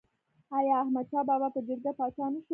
آیا احمد شاه بابا په جرګه پاچا نه شو؟